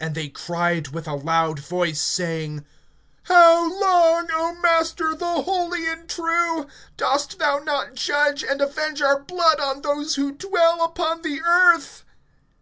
(10)And they cried with a loud voice, saying: How long, O Master, the holy and true, dost thou not judge and avenge our blood on those who dwell upon the earth?